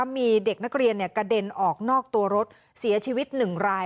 มีเด็กนักเรียนกระเด็นออกนอกตัวรถเสียชีวิต๑ราย